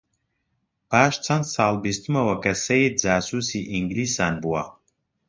پاش چەند ساڵ بیستمەوە کە سەید جاسووسی ئینگلیسان بووە